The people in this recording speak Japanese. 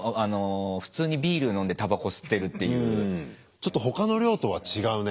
ちょっと他の漁とは違うね。